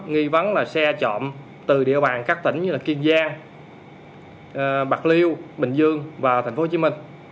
nghi vắng là xe chọn từ địa bàn các tỉnh như kiên giang bạc liêu bình dương và tp hcm